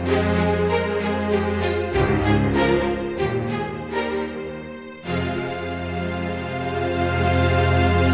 beli satu bong